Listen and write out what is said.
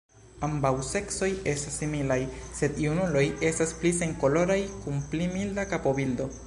Ambaŭ seksoj estas similaj, sed junuloj estas pli senkoloraj kun pli milda kapobildo.